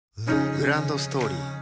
グランドストーリー